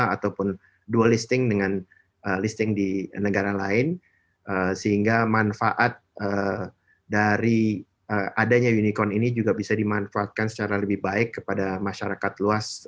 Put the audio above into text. ataupun dua listing dengan listing di negara lain sehingga manfaat dari adanya unicorn ini juga bisa dimanfaatkan secara lebih baik kepada masyarakat luas